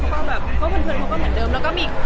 เพราะว่าเพื่อนเขาก็เหมือนเดิมแล้วก็มี